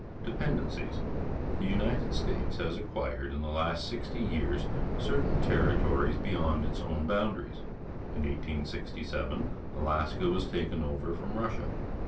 Dependencies. — The United States has acquired in the last sixty years certain terri tories beyond its own boundaries. In 1867 Alaska was taken o\er from Russia.